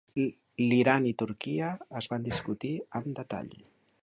L'Iran i Turquia es van discutir amb detall.